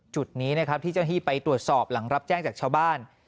จุดนี้นะครับที่เจ้าหน้าที่ไปตรวจสอบหลังรับแจ้งจากชาวบ้าน